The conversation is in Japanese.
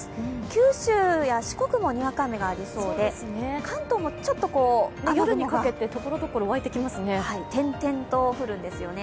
九州や四国ににわか雨がありそうで関東もちょっと夜にかけて所々降りますね。